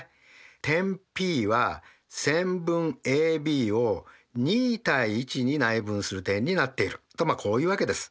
点Ｐは線分ＡＢを２：１に内分する点になっているとまあこういうわけです。